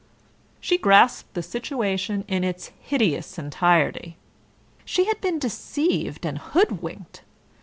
She grasped the situation in its hideous entirety. She had been deceived and hoodwinked.